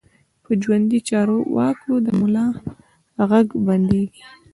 په ژوندو چارواکو د ملا غږ بندېږي.